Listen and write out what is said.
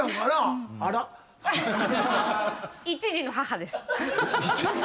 １児の母です。